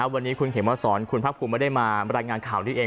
วันนี้คุณเขมสอนคุณภาคภูมิไม่ได้มารายงานข่าวนี้เอง